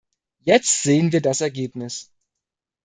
Jetzt sehen wir das Ergebnis.